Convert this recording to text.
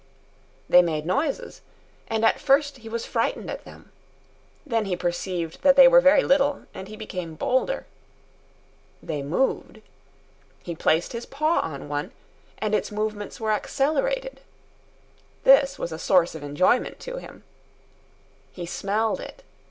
They made noises, and at first he was frightened at them. Then he perceived that they were very little, and he became bolder. They moved. He placed his paw on one, and its movements were accelerated. This was a source of enjoyment to him. He smelled it.